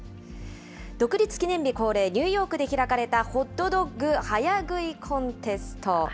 独立記念日恒例、ニューヨークで開かれたホットドッグ早食いコンテスト。